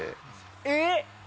えっ？